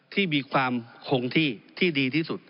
ที่มีความคงที่ที่ดีที่สุด